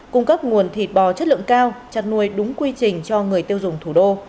cung cấp nguồn thịt bò chất lượng cao chăn nuôi đúng quy trình cho người tiêu dùng thủ đô